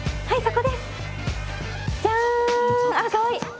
はい。